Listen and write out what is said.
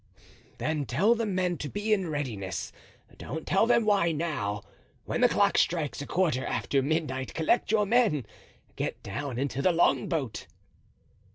"Then tell the men to be in readiness—don't tell them why now. When the clock strikes a quarter after midnight collect your men. Get down into the longboat."